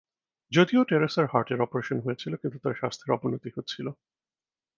যদিও টেরেসার হার্টের অপারেশন হয়েছিল কিন্তু তার স্বাস্থ্যের অবনতি হচ্ছিল।